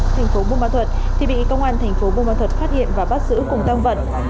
thành phố bung ma thuật thì bị công an thành phố bung ma thuật phát hiện và bắt giữ cùng tâm vận